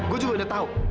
gue juga udah tahu